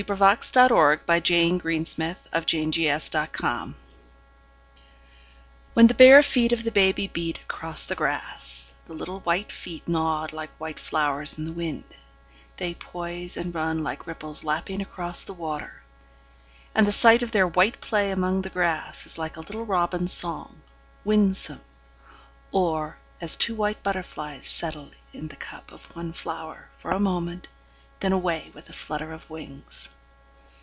Amores. 1916. 14. A Baby Running Barefoot WHEN the bare feet of the baby beat across the grassThe little white feet nod like white flowers in the wind, They poise and run like ripples lapping across the water; And the sight of their white play among the grassIs like a little robin's song, winsome, Or as two white butterflies settle in the cup of one flowerFor a moment, then away with a flutter of wings.